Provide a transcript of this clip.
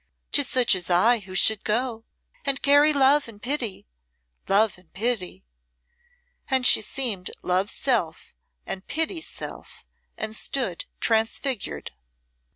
'Tis such as I who should go, and carry love and pity love and pity!" And she seemed Love's self and Pity's self, and stood transfigured.